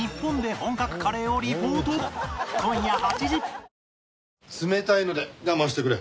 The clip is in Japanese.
ハロー冷たいので我慢してくれ。